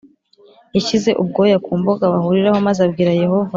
Yashyize ubwoya ku mbuga bahuriraho maze abwira yehova